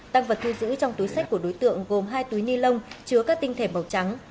tăng vật thu giữ trong túi sách của đối tượng gồm hai túi ni lông chứa các tinh thể màu trắng